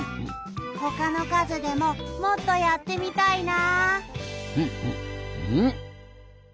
ほかのかずでももっとやってみたいな。